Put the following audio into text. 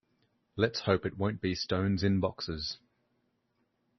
Let's hope it won't be stones in boxes.